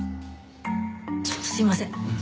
ちょっとすいません。